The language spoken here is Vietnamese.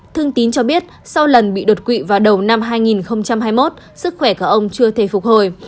thương tín cho biết sau lần bị đột quỵ vào đầu năm hai nghìn hai mươi một sức khỏe của ông chưa thể phục hồi